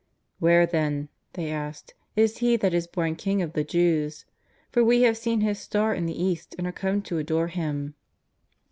" Where, then," they asked, " is He that is born King of the Jews? For we have seen His star in the East and are come to adore Him